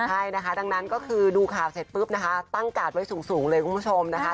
ใช่นะคะดังนั้นก็คือดูข่าวเสร็จปุ๊บนะคะตั้งการ์ดไว้สูงเลยคุณผู้ชมนะคะ